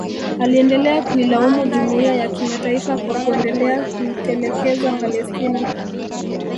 Aliendelea kuilaumu Jumuiya ya kimataifa kwa kuendelea kuitelekeza Palestina